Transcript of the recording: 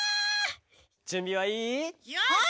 じゅんびはいい？